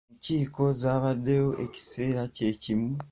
Enkiiko zaabaddewo ekiseera kye kimu.